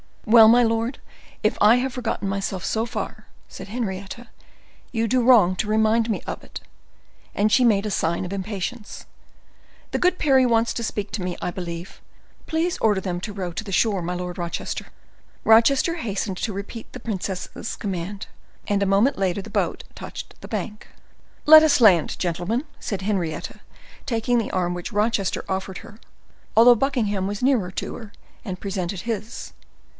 "Well, my lord, if I have forgotten myself so far," said Henrietta, "you do wrong to remind me of it." And she made a sign of impatience. "The good Parry wants to speak to me, I believe: please order them to row to the shore, my Lord Rochester." Rochester hastened to repeat the princess's command; and a moment later the boat touched the bank. "Let us land, gentlemen," said Henrietta, taking the arm which Rochester offered her, although Buckingham was nearer to her, and had presented his.